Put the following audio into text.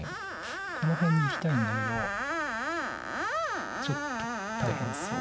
この辺にいきたいんだけどちょっと大変そう。